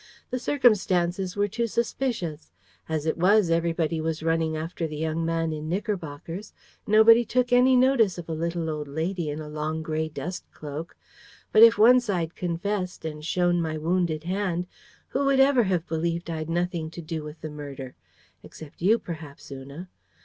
"The circumstances were too suspicious. As it was, everybody was running after the young man in knickerbockers. Nobody took any notice of a little old lady in a long grey dust cloak. But if once I'd confessed and shown my wounded hand, who would ever have believed I'd nothing to do with the murder? except you, perhaps, Una.